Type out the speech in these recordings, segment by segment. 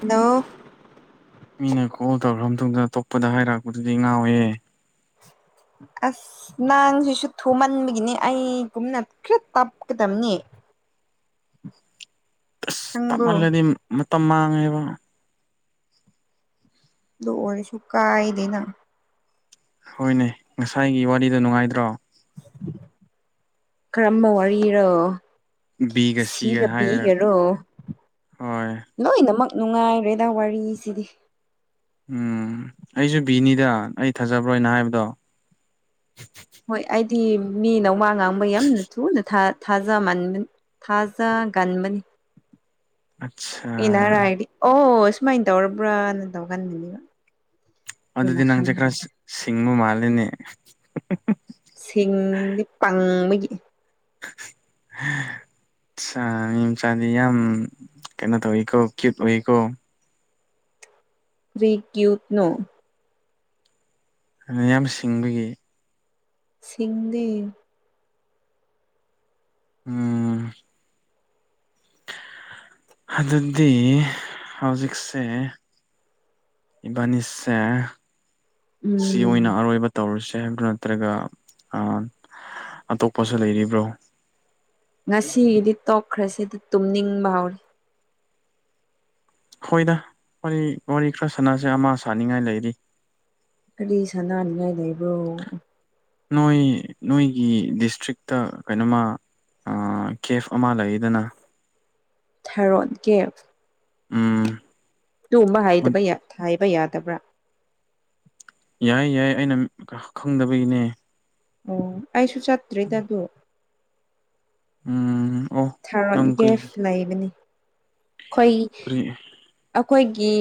hello ꯃꯤꯅ call ꯇꯧꯈ꯭ꯔ ꯃꯇꯨꯡꯗ ꯑꯇꯣꯞꯄꯗ ꯍꯥꯏꯔꯛꯄꯗꯨꯗꯤ ꯉꯥꯎꯌꯦꯍꯦ ꯑꯁ ꯅꯪꯁꯤꯁꯨ ꯊꯨꯃꯟꯕꯒꯤꯅꯦ ꯑꯩꯒꯨꯝꯅ ꯈꯔ ꯇꯞꯀꯗꯕꯅꯤ ꯑꯁ ꯈꯪꯕ꯭ꯔꯣ ꯇꯞꯃꯜꯂꯗꯤ ꯃꯇꯝ ꯃꯥꯡꯉꯦꯕ ꯑꯗꯨ ꯑꯣꯏꯔꯁꯨ ꯀꯥꯏꯗꯦꯅ ꯍꯣꯏꯅꯦ ꯉꯁꯥꯏꯒꯤ ꯋꯥꯔꯤꯗꯣ ꯅꯨꯡꯉꯥꯏꯇ꯭ꯔꯣ ꯀꯔꯝꯕ ꯋꯥꯔꯤꯅꯣ ꯕꯤꯒ ꯁꯤꯒ ꯍꯥꯏꯔꯒ ꯍꯣꯏ ꯂꯣꯏꯅꯃꯛ ꯅꯨꯡꯉꯥꯏꯔꯦꯗ ꯋꯥꯔꯤꯁꯤꯗꯤ ꯎꯝ ꯑꯩꯁꯨ ꯕꯤꯅꯤꯗ ꯑꯩ ꯊꯥꯖꯕ꯭ꯔꯣ ꯑꯩꯅ ꯍꯥꯏꯕꯗꯣ ꯍꯣꯏ ꯑꯩꯗꯤ ꯃꯤꯅꯧ ꯃꯥ ꯉꯥꯡꯕꯩ ꯌꯥꯝꯅ ꯊꯨꯅ ꯊꯥꯖ ꯃꯥꯟꯕ ꯊꯥꯖꯒꯟꯕꯅꯤ ꯑꯆꯥ ꯏꯅꯔꯥꯗꯤ ꯑꯣ ꯁꯨꯃꯥꯏꯅꯗꯧꯔꯛꯕ꯭ꯔꯥꯅ ꯇꯧꯍꯟꯒꯅꯤꯕ ꯑꯗꯨꯗꯤ ꯅꯪꯁꯦ ꯈꯔ ꯁꯤꯡꯕ ꯃꯥꯂꯦꯅꯦ ꯁꯤꯡꯗꯤ ꯄꯪꯕꯒꯤ [unintelligible] ꯃꯤ ꯃꯆꯥꯗꯤ ꯌꯥꯝ ꯀꯩꯅꯣ ꯇꯧꯋꯤꯀꯣ ꯀ꯭ꯌꯨꯠ ꯑꯣꯏꯀꯣ ꯀꯔꯤ ꯀ꯭ꯌꯨꯠꯅꯣ ꯅꯪ ꯌꯥꯝ ꯁꯤꯡꯕꯒꯤ ꯁꯤꯡꯗꯦ ꯎꯝ ꯑꯗꯨꯗꯤ ꯍꯧꯖꯤꯛꯁꯦ ꯏꯕꯥꯅꯤꯁꯦ ꯁꯤ ꯎꯝ ꯑꯣꯏꯅ ꯑꯔꯣꯏꯕ ꯇꯧꯔꯁꯦ ꯑꯗꯨ ꯅꯠꯇ꯭ꯔꯒ ꯑꯇꯣꯞꯄꯁꯨ ꯂꯩꯔꯤꯕ꯭ꯔꯣ ꯉꯁꯤꯒꯤꯗꯤ ꯇꯣꯛꯈ꯭ꯔꯁꯦ ꯇꯨꯝꯅꯤꯡꯕ ꯍꯧꯔꯦ ꯍꯣꯏꯗ ꯋꯥꯔꯤ ꯋꯥꯔꯤ ꯈꯔ ꯁꯥꯟꯅꯁꯦ ꯑꯃ ꯁꯥꯅꯤꯡꯉꯥꯏ ꯂꯩꯔꯤ ꯀꯔꯤ ꯁꯥꯟꯅꯅꯤꯉꯥꯏ ꯂꯩꯕ꯭ꯔꯣ ꯅꯣꯏ ꯅꯣꯏꯒꯤ ꯗꯤꯁꯇ꯭ꯔꯤꯛꯇ ꯀꯩꯅꯣꯃ ꯑꯥ ꯀꯦꯐ ꯑꯃꯥ ꯂꯩꯗꯅ ꯊꯥꯔꯣꯟ ꯀꯦꯞ ꯎꯝ ꯑꯗꯨꯒꯨꯝꯕ ꯍꯥꯏꯗꯕ ꯍꯥꯏꯕ ꯌꯥꯗꯕ꯭ꯔꯥ ꯌꯥꯏ ꯌꯥꯏ ꯑꯩꯅ ꯈꯪꯗꯕꯒꯤꯅꯦ ꯑꯣ ꯑꯩꯁꯨ ꯆꯠꯇ꯭ꯔꯤꯗ ꯑꯗꯨ ꯎꯝ ꯑꯣ ꯊꯥꯔꯣꯟ ꯅꯪ ꯀꯔꯤ ꯀꯒꯦꯐ ꯂꯩꯕꯅꯤ ꯑꯩꯈꯣꯏ ꯀꯔꯤ ꯑꯩꯈꯣꯏꯒꯤ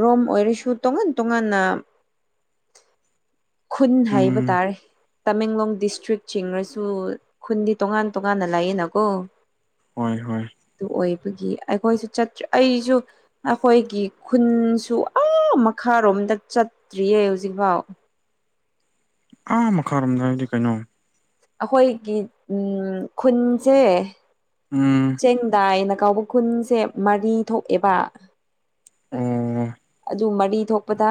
ꯔꯣꯝ ꯑꯣꯏꯔꯁꯨ ꯇꯣꯉꯥꯟ ꯇꯣꯉꯥꯟꯅ ꯈꯨꯟ ꯍꯥꯏꯕ ꯎꯝ ꯇꯥꯔꯦ ꯇꯃꯦꯡꯂꯣꯡ ꯗꯤꯁꯇ꯭ꯔꯤꯛ ꯆꯤꯡꯔꯁꯨ ꯈꯨꯟꯗꯤ ꯇꯣꯉꯥꯟ ꯇꯣꯉꯥꯟꯅ ꯂꯥꯛꯌꯦꯅꯀꯣ ꯍꯣꯏ ꯍꯣꯏ ꯑꯗꯨ ꯑꯣꯏꯕꯒꯤ ꯑꯩꯈꯣꯏꯁꯨ ꯆꯠꯇꯔꯤ ꯑꯩꯁꯨ ꯑꯩꯈꯣꯏꯒꯤ ꯈꯨꯟꯁꯨ ꯑꯏ ꯃꯈꯥꯔꯣꯝꯗ ꯆꯠꯇ꯭ꯔꯤꯌꯦ ꯍꯧꯖꯤꯛꯐꯥꯎ ꯑꯥ ꯃꯈꯥꯔꯣꯝꯗ ꯍꯥꯏꯗꯤ ꯀꯩꯅꯣ ꯑꯩꯈꯣꯏꯒꯤ ꯎꯝ ꯈꯨꯟꯁꯦ ꯎꯝ ꯆꯦꯡꯗꯥꯏꯅ ꯀꯧꯕ ꯈꯨꯟꯁꯦ ꯃꯔꯤ ꯊꯣꯛꯑꯦꯕ ꯎꯝꯝ ꯑꯗꯨ ꯃꯔꯤ ꯊꯣꯛꯄꯗ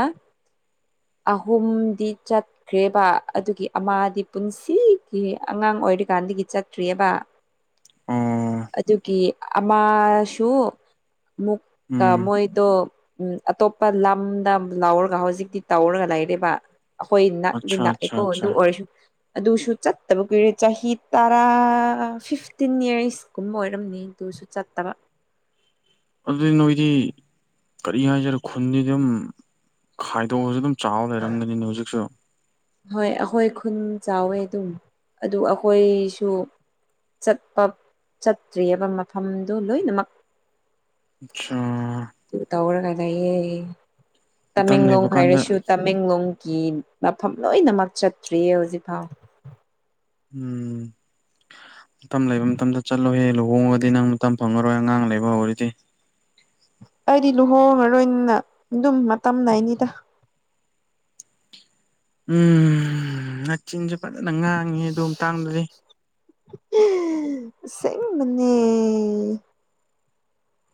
ꯑꯍꯨꯝꯗꯤ ꯆꯠ ꯈ꯭ꯔꯦꯕ ꯑꯗꯨꯒꯤ ꯑꯃꯥꯗꯤ ꯄꯨꯟꯁꯤꯒꯤ ꯑꯉꯥꯡ ꯑꯣꯏꯔꯤꯀꯥꯟꯗꯒꯤ ꯆꯠꯇ꯭ꯔꯤꯑꯕ ꯑꯣ ꯑꯗꯨꯒꯤ ꯑꯃꯁꯨ ꯃꯨꯛ ꯀꯥ ꯎꯝ ꯃꯣꯏꯗ‌ꯣ ꯑꯇꯣꯞꯄ ꯂꯝꯗ ꯂꯧꯔꯒ ꯍꯧꯖꯤꯛꯇꯤ ꯇꯧꯔꯒ ꯂꯩꯔꯦꯕ ꯑꯈꫭꯏ ꯅꯛꯇꯤ ꯑꯠꯆꯥ ꯑꯠꯆꯥ ꯅꯛꯏꯀꯣ ꯑꯗꯨ ꯑꯠꯆꯥ ꯑꯣꯏꯔꯁꯨ ꯑꯗꯨꯁꯨ ꯆꯠꯇꯕ ꯀꯨꯏꯔꯦ ꯆꯍꯤ ꯇꯔꯥ ꯐꯤꯐꯇꯤꯟ ꯌꯔꯁ ꯀꯨꯝꯕ ꯑꯣꯏꯔꯝꯅꯤ ꯑꯗꯨꯁꯨ ꯆꯠꯇꯕ ꯑꯗꯨꯗꯤ ꯅꯣꯏꯗꯤ ꯀꯔꯤ ꯍꯥꯏꯁꯤꯔꯥ ꯈꯨꯟꯗꯤ ꯑꯗꯨꯝ ꯈꯥꯏꯗꯣꯛꯑꯁꯨ ꯑꯗꯨꯝ ꯆꯥꯍꯥꯎ ꯂꯩꯔꯝꯒꯅꯤꯅꯦ ꯍꯧꯖꯤꯛꯁꯨ ꯍꯣꯏ ꯑꯩꯈꯣꯏ ꯈꯨꯟ ꯆꯥꯎꯋꯦ ꯑꯗꯨꯝ ꯑꯗꯨ ꯑꯩꯈꯣꯏꯁꯨ ꯆꯠꯄ ꯆꯠꯇ꯭ꯔꯤꯑꯕ ꯃꯐꯝꯗꯨ ꯂꯣꯏꯅꯃꯛ ꯑꯆꯥ ꯑꯗꯨ ꯇꯧꯔꯒ ꯂꯩꯌꯦ ꯃꯇꯝ ꯇꯃꯦꯡꯂꯣꯡ ꯂꯩꯕ ꯀꯥꯟꯗ ꯍꯥꯏꯔꯁꯨ ꯇꯃꯦꯡꯂꯣꯡꯒꯤ ꯃꯐꯝ ꯂꯣꯏꯅꯃꯛ ꯆꯠꯇ꯭ꯔꯤꯌꯦ ꯍꯧꯖꯤꯛꯐꯥꯎ ꯎꯝ ꯃꯇꯝ ꯂꯩꯕ ꯃꯇꯝꯗ ꯆꯠꯂꯣꯍꯦ ꯂꯨꯍꯣꯡꯉꯒꯗꯤ ꯅꯪ ꯃꯇꯝ ꯐꯪꯉꯔꯣꯏ ꯑꯉꯥꯡ ꯂꯩꯕ ꯍꯧꯔꯗꯤ ꯑꯩꯗꯤ ꯂꯨꯍꯣꯡꯉꯔꯣꯏꯅ ꯑꯗꯨꯝ ꯃꯇꯝ ꯂꯩꯏꯅꯤꯗ ꯎꯝ ꯅꯆꯤꯟꯁꯨ ꯐꯖꯅ ꯉꯥꯡꯉꯤꯍ‌ꯦ ꯑꯗꯨ ꯃꯇꯥꯡꯗꯨꯗꯤ ꯑꯁ‌ꯦꯡꯕꯅ‌ꯦ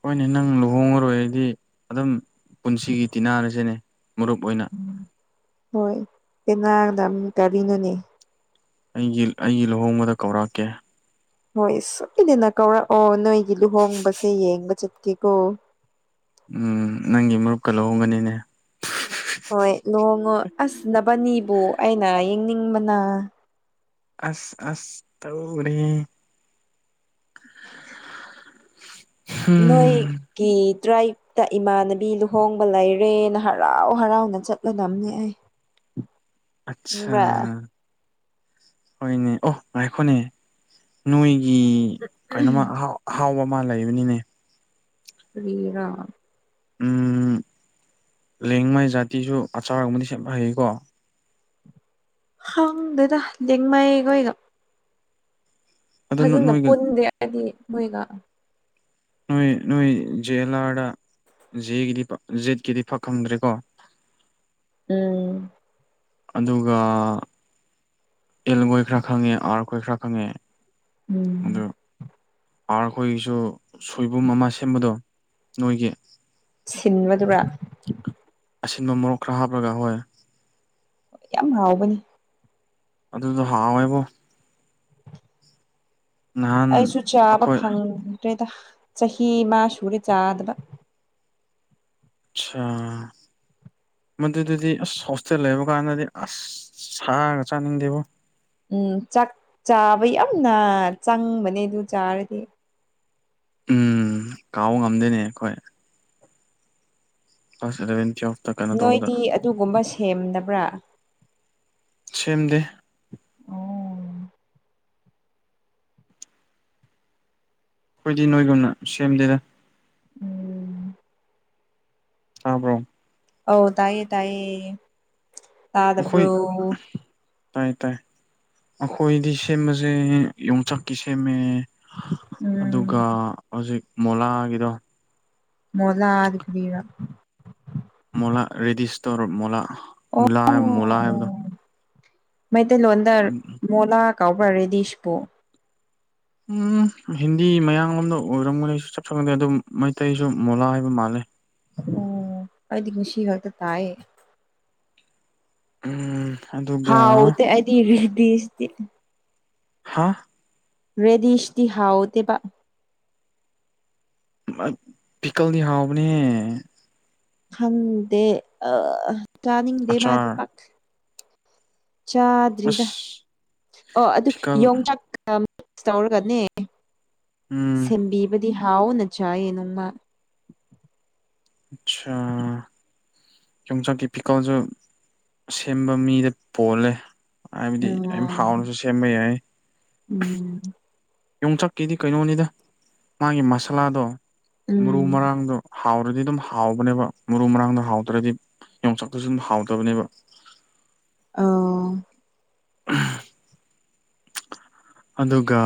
ꯍꯣꯏꯅꯦ ꯅꯪ ꯂꯨꯍꯣꯡꯉꯔꯣꯏꯔꯗꯤ ꯑꯗꯨꯝ ꯄꯨꯟꯁꯤꯒꯤ ꯇꯤꯟꯅꯔꯁꯤꯅꯦ ꯃꯔꯨꯞ ꯑꯣꯏꯅ ꯍꯣꯏ ꯇꯤꯟꯅꯒꯗꯕꯅꯤ ꯀꯔꯤꯅꯣꯅꯦ ꯑꯩꯒꯤ ꯑꯩꯒꯤ ꯂꯨꯍꯣꯡꯕꯗ ꯀꯧꯔꯛꯀꯦ ꯍꯣꯏ ꯁꯨꯀꯤꯗꯅ ꯀꯧꯔꯛꯑꯣ ꯅꯣꯏꯒꯤ ꯂꯨꯍꯣꯡꯕꯁꯦ ꯌꯦꯡꯕ ꯆꯠꯀꯦꯀꯣ ꯎꯝ ꯅꯪꯒꯤ ꯃꯔꯨꯞꯀ ꯂꯧꯍꯣꯡꯒꯅꯤꯅꯦ ꯍꯣꯏ ꯅꯣꯡꯉꯨ ꯑꯁ ꯅꯅꯕꯅꯤꯕꯨ ꯑꯩꯅ ꯌꯦꯡꯅꯤꯡꯕꯅ ꯑꯁ ꯑꯁ ꯇꯧꯔꯤ [unintelligible] [unintelligible] ꯅꯣꯏ ꯀꯤ ꯇ꯭ꯔꯥꯏꯞꯇ ꯏꯃꯥꯟꯅꯕꯤ ꯂꯨꯍꯣꯡꯕ ꯂꯩꯔꯦꯅ ꯍꯔꯥꯎ ꯍꯔꯥꯎꯅ ꯆꯠꯂꯗꯝꯅꯦ ꯑꯩ ꯑꯠꯁꯥ ꯈꯪꯕ꯭ꯔꯥ ꯍꯣꯏꯅꯦ ꯑꯣ ꯉꯥꯏꯈꯣꯅꯦ ꯅꯣꯏꯒꯤ ꯀꯩꯅꯣꯃ ꯑꯍꯥꯎ ꯑꯍꯥꯎꯕ ꯑꯃ ꯂꯩꯕꯅꯤꯅꯦ ꯀꯔꯤꯔꯥ ꯎ ꯂꯦꯡꯃꯩ ꯖꯥꯇꯤꯁꯨ ꯑꯆꯥꯔꯒꯨꯝꯅ ꯁꯦ ꯐꯩꯀꯣ ꯈꯪꯗꯦꯗ ꯂꯦꯡꯃꯩꯈꯣꯏꯒ ꯑꯗꯣ ꯐꯖꯅ ꯅꯣꯏꯒ ꯄꯨꯟꯗꯦ ꯍꯥꯏꯗꯤ ꯃꯣꯏꯒ ꯅꯣꯏ ꯅꯣꯏ ꯖꯦ ꯑꯦꯜ ꯑꯥꯔꯗ ꯖꯦꯒꯤꯗꯤ ꯖꯦꯠꯀꯤꯗꯤ ꯐꯛ ꯈꯪꯗ꯭ꯔꯦꯀꯣ ꯎꯝ ꯑꯗꯨꯒ ꯑꯦꯜ ꯍꯣꯏ ꯈꯔ ꯈꯪꯉꯦ ꯑꯥꯔꯈꯣꯏ ꯈꯔ ꯈꯪꯉꯦ ꯎꯝ ꯑꯗꯨ ꯑꯥꯔ ꯑꯩꯈꯣꯏꯒꯤꯁꯨ ꯁꯣꯏꯕꯨꯝ ꯑꯃ ꯁꯦꯝꯕꯗꯣ ꯅꯣꯏꯒꯤ ꯁꯤꯟꯕꯗꯨꯔꯥ ꯑꯁꯤꯟꯕ ꯃꯣꯔꯣꯛ ꯈꯔ ꯍꯥꯞꯔꯒ ꯍꯣꯏ ꯌꯥꯝ ꯍꯥꯎꯕꯅꯤ ꯑꯗꯨꯗꯣ ꯍꯥꯎꯋꯦꯕꯣ ꯅꯍꯥꯟ ꯑꯩꯁꯨ ꯆꯥꯕ ꯑꯩꯈꯣꯏ ꯐꯪꯗ꯭ꯔꯦꯗ ꯆꯍꯤ ꯑꯃ ꯁꯨꯔꯦ ꯆꯥꯗꯕ ꯁꯥ ꯃꯗꯨꯗꯨꯗꯤ ꯑꯁ ꯍꯣꯁꯇꯦꯜ ꯂꯩꯕ ꯀꯥꯟꯗꯗꯤ ꯑꯁ ꯁꯥꯒ ꯆꯥꯅꯤꯡꯗꯦꯕꯣ ꯎꯝ ꯆꯥꯛ ꯆꯥꯕ ꯌꯥꯝꯅ ꯆꯪꯕꯅꯦ ꯑꯗꯨ ꯆꯥꯔꯗꯤ ꯎꯝ ꯀꯥꯎꯕ ꯉꯝꯗ ꯉꯝꯗꯦꯅꯦ ꯑꯩꯈꯣꯏ [inaudible] ꯇꯧꯕꯗ ꯅꯣꯏꯗꯤ ꯑꯗꯨꯒꯨꯝꯕ ꯁꯦꯝꯗꯕ꯭ꯔꯥ ꯁꯦꯝꯗꯦ ꯑꯣ ꯑꯩꯈꯣꯏꯗꯤ ꯅꯣꯏꯒꯨꯝꯅ ꯁꯦꯝꯗꯦꯗꯥ ꯎꯝ ꯇꯥꯕ꯭ꯔꯣ ꯑꯧ ꯇꯥꯏꯌꯦ ꯇꯥꯏꯌꯦ ꯑꯩꯈꯣꯏ ꯇꯥꯗꯕ꯭ꯔꯣ ꯇꯥꯏ ꯇꯥꯏ ꯑꯩꯈꯣꯏꯗꯤ ꯁꯦꯝꯕꯁꯦ ꯌꯣꯡꯆꯥꯛꯀꯤ ꯁꯦꯝꯃꯦ ꯑꯗꯨꯒ ꯎꯝ ꯍꯧꯖꯤꯛ ꯃꯣꯂꯥꯒꯤꯗꯣ ꯃꯣꯂꯥꯗꯤ ꯀꯔꯤꯔꯥ ꯃꯣꯂꯥ ꯔꯦꯗꯤꯁ ꯇꯧꯔ ꯃꯣꯂꯥ ꯑꯣ ꯃꯨꯂꯥ ꯍꯥꯏꯕ ꯃꯣꯂꯥ ꯍꯥꯏꯕꯗꯣ ꯃꯩꯇꯩꯂꯣꯟꯗ ꯃꯣꯂꯥ ꯀꯧꯕ꯭ꯔꯥ ꯔꯦꯗꯤꯁꯄꯨ ꯎꯝ ꯍꯤꯟꯗꯤ ꯃꯌꯥꯡꯂꯣꯝꯗ ꯑꯣꯏꯔꯝꯒꯅꯤ ꯑꯩꯁꯨ ꯆꯞ ꯈꯪꯗꯦ ꯑꯗꯨꯝ ꯃꯩꯇꯩꯁꯨ ꯃꯣꯂꯥ ꯍꯥꯏꯕ ꯃꯥꯜꯂꯦ ꯑꯣ ꯑꯩꯗꯤ ꯄꯨꯟꯁꯤ ꯈꯛꯇ ꯇꯥꯏꯌꯦ ꯎꯝ ꯑꯗꯨꯒ ꯍꯥꯎꯇꯦ ꯑꯩꯗꯤ ꯔꯦꯗꯤꯁꯇꯤ ꯍꯥ ꯔꯦꯗꯤꯁꯇꯤ ꯍꯥꯎꯇꯦꯕ ꯃꯠ ꯄꯤꯀꯜꯗꯤ ꯍꯥꯎꯕꯅꯦ ꯈꯪꯗꯦ ꯑ ꯆꯥꯅꯤꯡꯗꯦ ꯃꯥꯗꯤ ꯑꯆꯥꯔ ꯄꯥꯛ ꯆꯥꯗ꯭ꯔꯤꯗ ꯑꯁ ꯑꯣ ꯑꯗꯨ ꯐꯤꯀꯜ ꯌꯣꯡꯆꯥꯛ ꯌꯥꯝ ꯁꯇꯧꯔꯒꯅꯦ ꯎꯝ ꯁꯦꯝꯕꯤꯕꯗꯤ ꯍꯥꯎꯅ ꯆꯥꯏꯌꯦ ꯅꯣꯡꯃ ꯆꯥ ꯌꯣꯡꯆꯥꯛꯀꯤ ꯐꯤꯀꯜꯁꯨ ꯁꯦꯝꯕ ꯃꯤꯗ ꯄꯣꯜꯂꯦ ꯍꯥꯏꯕꯗꯤ ꯌꯥꯝ ꯎꯝ ꯍꯥꯎꯅꯁꯨ ꯁꯦꯝꯕ ꯌꯥꯏ ꯎꯝ ꯌꯣꯡꯆꯥꯛꯀꯤꯗꯤ ꯀꯩꯅꯣꯅꯤꯗ ꯃꯥꯒꯤ ꯃꯁꯥꯂꯥꯗꯣ ꯃꯔꯨ ꯎꯝ ꯃꯔꯥꯡꯗꯣ ꯍꯥꯎꯔꯗꯤ ꯗꯨꯝ ꯍꯥꯎꯕꯅꯦꯕ ꯃꯔꯨ ꯃꯔꯥꯡꯗꯣ ꯍꯥꯎꯗꯇ꯭ꯔꯗꯤ ꯌꯣꯡꯆꯥꯛꯇꯨ ꯁꯨꯝ ꯍꯥꯎꯇꯕꯅꯦꯕ ꯑꯧ ꯑꯣ ꯑꯗꯨꯒ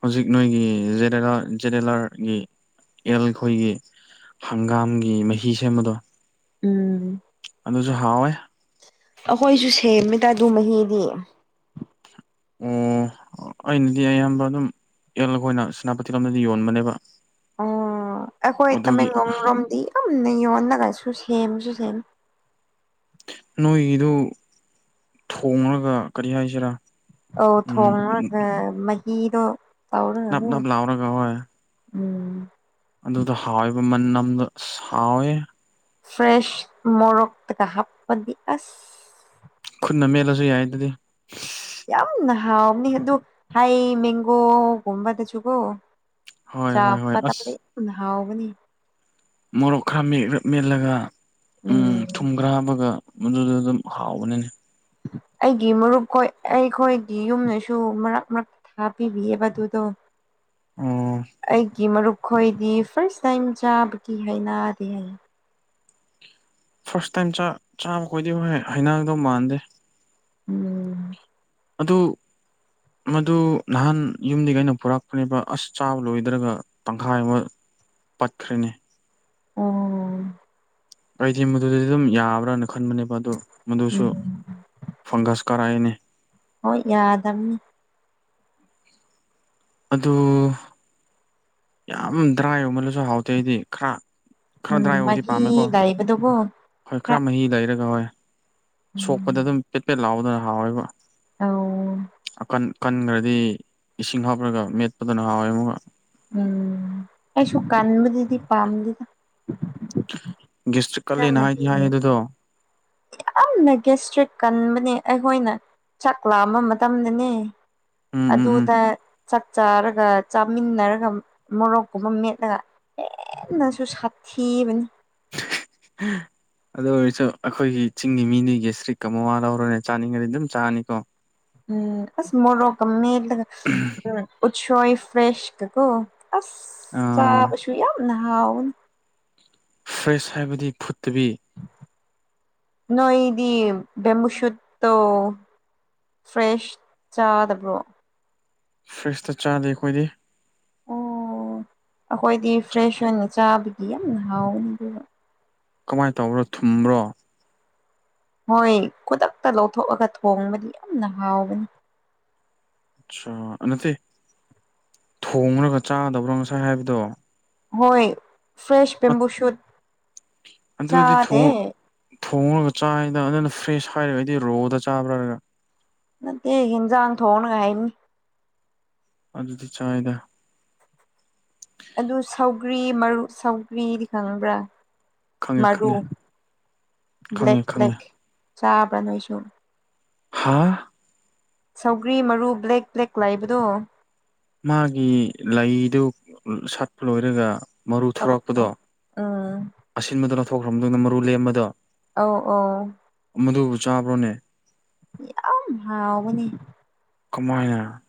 ꯍꯧꯖꯤꯛ ꯅꯣꯏꯒꯤ ꯖꯦꯗꯦꯂꯥꯔ ꯖꯦꯗꯦꯂꯥꯔꯒꯤ ꯑꯦꯜ ꯈꯣꯏꯒꯤ ꯍꯪꯒꯥꯝꯒꯤ ꯃꯍꯤ ꯁꯦꯝꯕꯗꯣ ꯎꯝ ꯑꯗꯨꯁꯨ ꯍꯥꯎꯋꯦ ꯑꯈꯣꯏꯁꯨ ꯁꯦꯝꯃꯦꯗ ꯗꯨ ꯃꯍꯤꯗꯤ ꯑꯣ ꯑꯩꯅꯗꯤ ꯑꯌꯥꯝꯕ ꯑꯗꯨꯝ ꯑꯦꯜ ꯍꯣꯏꯅ ꯁ꯭ꯅꯥꯄꯇꯤ ꯂꯣꯝꯗꯗꯤ ꯌꯣꯟꯕꯅꯦꯕ ꯑꯣ ꯑꯩꯈꯣꯏ ꯑꯗꯨꯒꯤ ꯇꯃꯦꯡꯂꯣꯡ ꯔꯣꯝꯗꯤ ꯌꯥꯝꯅ ꯌꯣꯟꯅꯉꯥꯏꯁꯨ ꯁꯦꯝꯁꯨ ꯁꯦꯝ ꯅꯣꯏꯒꯤꯗꯨ ꯊꯣꯡꯔꯒ ꯀꯔꯤ ꯍꯥꯏꯁꯤꯔꯥ ꯑꯣ ꯎꯝ ꯊꯣꯡꯔꯒ ꯃꯍꯤꯗꯣ ꯇꯧꯔꯒ ꯅꯞ ꯑꯗꯨꯝ ꯅꯞ ꯂꯥꯎꯔꯒ ꯎꯝ ꯑꯗꯨꯗ ꯍꯥꯎꯋꯦꯕ ꯃꯟꯅꯝꯗꯣ ꯑꯁ ꯍꯥꯎꯋꯦꯍꯦ ꯐ꯭ꯔꯦꯁ ꯃꯣꯔꯣꯛꯇꯒ ꯍꯥꯞꯄꯗꯤ ꯑꯁ ꯈꯨꯠꯅ ꯃꯦꯠꯂꯁꯨ ꯌꯥꯏ ꯑꯗꯨꯗꯤ ꯌꯥꯝꯅ ꯍꯥꯎꯕꯅꯤ ꯑꯗꯨ ꯍꯩ ꯃꯦꯡꯒꯣ ꯒꯨꯝꯕꯗꯁꯨ ꯒꯣ ꯍꯣꯏ ꯆꯥ ꯍꯣꯏ ꯍꯣꯏ ꯑꯁ ꯄꯗꯕꯗꯤ ꯎꯅ ꯍꯥꯎꯕꯅꯤ ꯃꯣꯔꯣꯛ ꯈ꯭ꯔ ꯃꯦꯠꯔ ꯃꯦꯠꯂꯒ ꯎꯝ ꯊꯨꯝ ꯈꯔ ꯍꯥꯞꯄꯒ ꯃꯗꯨꯗ ꯗꯨꯝ ꯍꯥꯎꯕꯅꯤꯅꯦ ꯑꯩꯒꯤ ꯃꯔꯨꯞ ꯈꯣꯏ ꯑꯩꯈꯣꯏꯒꯤ ꯌꯨꯝꯗꯁꯨ ꯃꯔꯛ ꯃꯔꯛ ꯊꯥ ꯄꯤꯕꯤꯕ ꯗꯨꯨꯗꯣ ꯑꯣ ꯑꯩꯒꯤ ꯃꯔꯨꯞ ꯈꯣꯏꯗꯤ ꯐꯔꯁ ꯇꯥꯏꯝ ꯆꯥꯕꯒꯤ ꯍꯥꯏꯅꯥꯗꯦ ꯍꯥꯏꯌꯦ ꯐꯔꯁ ꯇꯥꯏꯝ ꯆꯥ ꯆꯥꯕꯈꯣꯏꯗꯤ ꯍꯣꯏ ꯍꯩꯅꯥꯡꯒꯗꯧ ꯃꯥꯟꯗꯦ ꯎꯝ ꯑꯗꯨ ꯃꯗꯨ ꯅꯍꯥꯟ ꯌꯨꯝꯗꯒꯤ ꯑꯩꯅ ꯄꯨꯔꯛꯄꯅꯦꯕ ꯑꯁ ꯆꯥꯕ ꯂꯣꯏꯗ꯭ꯔꯒ ꯇꯪꯈꯥꯏ ꯑꯃ ꯄꯠꯈ꯭ꯔꯦꯅꯦ ꯑꯣ ꯑꯩꯗꯤ ꯃꯗꯨꯗꯗꯨꯝ ꯌꯥꯕ꯭ꯔꯅ ꯈꯟꯕꯅꯦꯕ ꯑꯗꯣ ꯃꯗꯨꯁꯨ ꯎꯝ ꯐꯪꯒꯁ ꯀꯥꯔꯛꯑꯦꯅꯦ ꯍꯣꯏ ꯌꯥꯗꯝꯅꯦ ꯑꯗꯨ ꯌꯥꯝ ꯗ꯭ꯔꯥꯏ ꯑꯣꯏꯃꯜꯂꯁꯨ ꯍꯥꯎꯇꯦ ꯑꯩꯗꯤ ꯈꯔ ꯈꯔ ꯎꯝ ꯗ꯭ꯔꯥꯏ ꯑꯣꯏꯕꯗꯤ ꯃꯍꯤ ꯄꯥꯝꯃꯦꯀꯣ ꯂꯩꯕꯗꯨꯀꯣ ꯍꯣꯏ ꯈꯔ ꯃꯍꯤ ꯂꯩꯔꯒ ꯍꯣꯏ ꯎꯝ ꯁꯣꯛꯄꯗ ꯑꯗꯨꯝ ꯄꯦꯠ ꯄꯦꯠ ꯂꯥꯎꯕꯗ ꯍꯥꯎꯋꯦꯕ ꯑꯧ ꯑꯀꯟ ꯀꯟꯒ꯭ꯔꯗꯤ ꯏꯁꯤꯡ ꯍꯥꯞꯔꯒ ꯃꯦꯠꯄꯗꯨꯅ ꯍꯥꯎꯋꯦ ꯑꯃꯨꯛꯒ ꯎꯝ ꯑꯩꯁꯨ ꯀꯟꯕꯗꯨꯗꯤ ꯄꯥꯝꯗꯦꯗ ꯒꯦꯁꯇ꯭ꯔꯤꯛ ꯈꯔ ꯀꯜꯂꯦꯅ ꯃꯍꯤ ꯍꯥꯏꯗꯤ ꯍꯥꯏ ꯂꯩ ꯑꯗꯨꯗꯣ ꯌꯥꯝꯅ ꯒꯦꯁꯇ꯭ꯔꯤꯛ ꯀꯟꯕꯅꯦ ꯑꯩꯍꯣꯏꯅ ꯆꯥꯛ ꯂꯥꯝꯕ ꯃꯇꯝꯗꯅꯦ ꯎꯝ ꯎꯝ ꯎꯝ ꯑꯗꯨꯗ ꯆꯥꯛ ꯆꯥꯔꯒ ꯆꯥꯃꯤꯟꯅꯔꯒ ꯃꯣꯔꯣꯛꯀꯨꯝꯕ ꯃꯦꯠꯂꯒ ꯍꯦꯟꯅꯁꯨ ꯁꯥꯊꯤꯕꯅꯤ ꯍꯥꯝ [unintelligible] ꯑꯗꯨ ꯑꯣꯏꯔꯁꯨ ꯑꯩꯈꯣꯏꯒꯤ ꯆꯤꯡꯒꯤ ꯃꯤꯁꯤꯡꯗꯤ ꯀꯦꯁꯁꯇ꯭ꯔꯤꯛꯀ ꯃꯥꯋꯥ ꯂꯧꯗꯦ ꯆꯥꯅꯤꯡꯉꯗꯤ ꯑꯗꯨꯝ ꯆꯥꯅꯤꯀꯣ ꯎꯝ ꯑꯁ ꯃꯣꯔꯣꯛ ꯀ ꯃꯦꯠꯂꯒ ꯎꯁꯣꯢ ꯐ꯭ꯔꯦꯁ ꯒꯀꯣ ꯑꯁ ꯑꯥ ꯆꯥꯕꯁꯨ ꯌꯥꯝꯅ ꯍꯥꯎꯕꯅꯦ ꯐ꯭ꯔꯦꯁ ꯍꯥꯏꯕꯗꯤ ꯐꯨꯠꯇꯕꯤ ꯅꯣꯏꯗꯤ ꯕꯦꯝꯕꯨ ꯁꯨꯠꯇꯣ ꯐ꯭ꯔꯦꯁ ꯆꯥꯗꯕ꯭ꯔꯣ ꯐ꯭ꯔꯤꯖꯇꯤ ꯆꯥꯗꯦ ꯑꯩꯈꯣꯏꯗꯤ ꯑꯣ ꯑꯩꯈꯣꯏꯗꯤ ꯐ꯭ꯔꯦꯁ ꯑꯣꯏꯅ ꯆꯥꯕꯒꯤ ꯌꯥꯝꯅ ꯍꯥꯎꯕꯅꯤ ꯑꯗꯨꯒ ꯀꯃꯥꯏꯅ ꯇꯧꯕ꯭ꯔꯣ ꯊꯨꯝꯕ꯭ꯔꯣ ꯍꯣꯏ ꯈꯨꯗꯛꯇ ꯂꯧꯊꯣꯛꯑꯒ ꯊꯣꯡꯕꯗꯤ ꯌꯥꯝꯅ ꯍꯥꯎꯕꯅꯤ ꯑꯠꯆꯥ ꯅꯠꯇꯦ ꯊꯣꯡꯉ꯭ꯔꯒ ꯆꯥꯒꯗꯕ꯭ꯔꯥ ꯉꯁꯥꯏ ꯍꯥꯏꯕꯗꯣ ꯍꯣꯏ ꯐ꯭ꯔꯦꯁ ꯕꯦꯝꯕꯨ ꯁꯨꯠ ꯑꯗꯨꯗꯤ ꯊꯣꯡ ꯆꯥꯗꯦ ꯊꯣꯡꯉꯒ ꯆꯥꯏꯗ ꯑꯗꯨꯅ ꯐ꯭ꯔꯦꯁ ꯍꯥꯏꯔꯒꯗꯤ ꯔꯣꯗ ꯆꯥꯕ꯭ꯔꯥ ꯍꯥꯢꯔꯒ ꯅꯠꯇꯦ ꯌꯦꯟꯖꯥꯡ ꯊꯣꯡꯉꯒ ꯍꯥꯢꯕꯅꯤ ꯑꯗꯨꯗꯤ ꯆꯥꯏꯗ ꯑꯗꯨ ꯁꯧꯒ꯭ꯔꯤ ꯁꯧꯀ꯭ꯔꯤ ꯃꯔꯨ ꯁꯧꯒ꯭ꯔꯤꯗꯤ ꯈꯪꯕ꯭ꯔꯥ ꯈꯪꯉꯦ ꯃꯔꯨ ꯈꯪꯉꯦ ꯕ꯭ꯂꯦꯛ ꯈꯪꯉꯦ ꯈꯪꯉꯦ ꯕ꯭ꯂꯦꯛ ꯆꯥꯕ꯭ꯔꯥ ꯅꯣꯏꯁꯨ ꯍꯥ ꯁꯧꯒ꯭ꯔꯤ ꯃꯔꯨ ꯕ꯭ꯂꯦꯛ ꯕ꯭ꯂꯦꯛ ꯂꯩꯕꯗꯣ ꯃꯥꯒꯤ ꯂꯩꯗꯨ ꯁꯥꯠꯄ ꯂꯣꯏꯔꯒ ꯃꯔꯨ ꯑꯧ ꯊꯣꯔꯛꯄꯗꯣ ꯑꯧ ꯎꯝ ꯑꯁꯤꯟꯕꯗꯨ ꯊꯣꯛꯈ꯭ꯔꯕ ꯃꯇꯨꯡꯗ ꯃꯔꯨ ꯂꯦꯝꯕꯗꯣ ꯑꯧ ꯑꯧ ꯑꯃꯗꯨꯕꯨ ꯆꯥꯕ꯭ꯔꯣꯅꯦ ꯌꯥꯝ ꯍꯥꯎꯕꯅꯦ ꯀꯃꯥꯏꯅ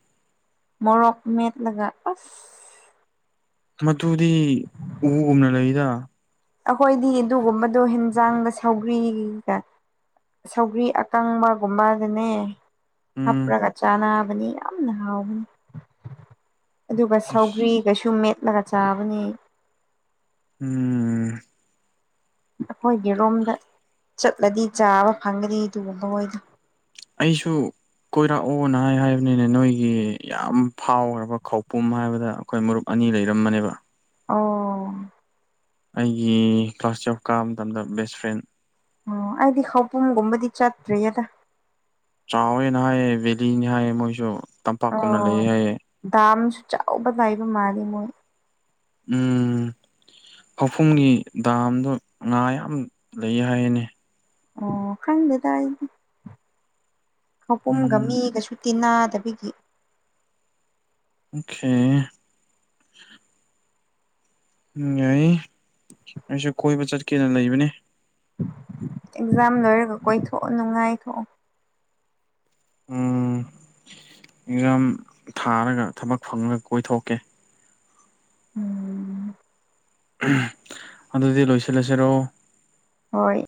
ꯃꯣꯔꯣꯛ ꯃꯠꯂꯒ ꯑꯁ ꯃꯗꯨꯗꯤ ꯎꯒꯨꯝꯅ ꯂꯩꯗ ꯑꯩꯈꯣꯏꯗꯤ ꯑꯗꯨꯒꯨꯝꯕꯗꯣ ꯍꯦꯟꯖꯥꯡꯒ ꯁꯧꯒ꯭ꯔꯤꯒ ꯁꯧꯒ꯭ꯔꯤ ꯑꯀꯪꯕꯒꯨꯝꯕꯒꯅꯦ ꯎꯝ ꯍꯥꯞꯂꯒ ꯆꯥꯅꯥꯕꯅꯦ ꯌꯥꯝꯅ ꯍꯥꯎꯕꯅꯤ ꯑꯗꯨꯒ ꯁꯧꯒ꯭ꯔꯤꯒꯁꯨ ꯃꯦꯠꯂꯒ ꯆꯥꯕꯅꯦ ꯎꯝ ꯑꯝ ꯑꯩꯈꯣꯏꯒꯤ ꯔꯣꯝꯗ ꯆꯠꯂꯗꯤ ꯆꯥꯕ ꯐꯪꯒꯗꯤ ꯑꯗꯨꯒꯨꯝꯍꯣꯏꯗꯣ ꯑꯩꯁꯨ ꯀꯣꯏꯔꯛꯑꯣꯅ ꯍꯥꯏ ꯍꯥꯏꯕꯅꯤꯅꯦ ꯅꯣꯏꯒꯤ ꯌꯥꯝ ꯐꯥꯎꯈꯔꯕ ꯈꯧꯄꯨꯝ ꯍꯥꯏꯕꯗ ꯑꯩꯈꯣꯏ ꯃꯔꯨꯞ ꯑꯅꯤ ꯂꯩꯔꯝꯕꯅꯦꯕ ꯑꯣ ꯑꯩꯒꯤ ꯀ꯭ꯂꯥꯁ ꯇꯨꯌꯦꯜꯐ ꯀꯥꯕ ꯃꯇꯝꯗ ꯕꯦꯁ ꯐ꯭ꯔꯦꯟ ꯑꯣ ꯑꯩꯗꯤ ꯈꯧꯕꯨꯝꯒꯨꯝꯕꯗꯤ ꯆꯠꯇ꯭ꯔꯤꯌꯦꯗ ꯆꯥꯎꯋꯦꯅ ꯍꯥꯏꯌꯦ ꯕꯦꯂꯤꯅꯤ ꯍꯥꯏꯌꯦ ꯃꯣꯏꯁꯨ ꯇꯝꯄꯥꯛꯀꯨꯝꯅ ꯑꯣ ꯂꯩ ꯍꯥꯏꯌꯦ ꯗꯥꯝꯁꯨ ꯆꯥꯎꯕ ꯂꯩꯕ ꯃꯥꯜꯂꯦ ꯃꯣꯏ ꯎꯝ ꯈꯧꯕꯨꯝꯒꯤ ꯗꯥꯝꯗꯣ ꯉꯥ ꯌꯥꯝ ꯂꯩ ꯍꯥꯏꯅꯦ ꯑꯣ ꯈꯪꯗꯦ ꯑꯩꯗꯤ ꯈꯧꯄꯨꯝꯒ ꯎꯝ ꯃꯤꯒꯁꯨ ꯇꯤ ꯅꯥꯗꯕꯒꯤ ꯑꯣꯀꯦ ꯎꯝ ꯌꯥꯏꯌꯦ ꯑꯩꯁꯨ ꯀꯣꯏꯕ ꯆꯠꯀꯦꯅ ꯂꯩꯕꯅꯦ ꯑꯦꯛꯖꯥꯝ ꯂꯣꯏꯔꯒ ꯀꯣꯏꯊꯣꯛꯑꯣ ꯅꯨꯡꯉꯥꯏꯊꯣꯛꯑꯣ ꯎꯝ ꯑꯦꯛꯖꯥꯝ ꯊꯥꯔꯒ ꯊꯕꯛ ꯐꯪꯉꯒ ꯀꯣꯏꯊꯣꯛꯀꯦ ꯎꯝ ꯑꯗꯨꯗꯤ ꯂꯣꯏꯁꯤꯜꯂꯁꯤꯔꯣ ꯍꯣꯏ